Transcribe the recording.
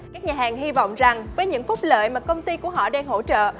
các nhà hàng hy vọng rằng với những phúc lợi mà công ty của họ đang hỗ trợ